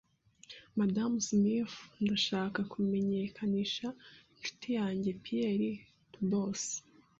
Madamu Smith, Ndashaka kumenyekanisha inshuti yanjye, Pierre Dubois.